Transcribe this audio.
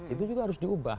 itu juga harus diubah